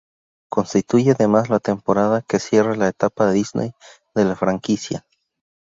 Constituye además la temporada que cierra la etapa Disney de la franquicia.